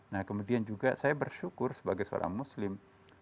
nah kemudian juga saya bersyukur sebagai seorang muslim